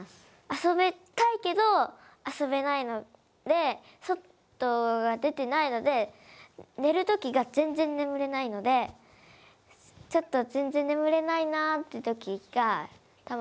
遊びたいけど遊べないので外は出てないので寝る時が全然眠れないのでちょっと全然眠れないなって時がたまにあります。